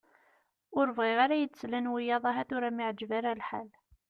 Ue bɣiɣ ara ad iyi-d-slen wiyaḍ ahat ur am-iɛeǧǧeb ara lḥal.